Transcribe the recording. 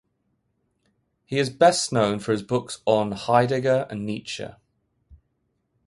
He is best known for his books on Heidegger and Nietzsche.